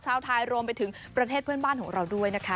ชาวไทยรวมไปถึงประเทศเพื่อนบ้านของเราด้วยนะคะ